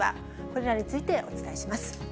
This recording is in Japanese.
これらについて、お伝えします。